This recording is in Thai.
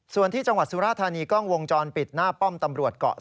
ส่วนที่จังหวัดสุราธานีกล้องวงจรปิดหน้าป้อมตำรวจเกาะ